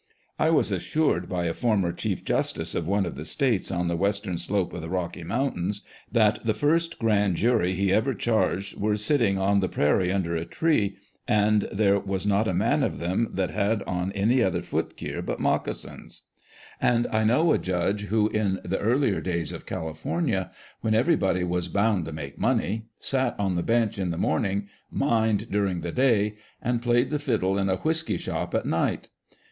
I was assured by a former chief justice of one of the states on the western slope of the Rocky Mountains, that the first grand jury he ever charged were sitting on the prairie under a tree, and there was not a man of them that had on any other foot gear but mocassins. And I know a judge who, in the earlier days of California, when everybody was " bound to make money," sat on the bench in the morning, mined during the day, and played the fiddle in a whisky shop at night.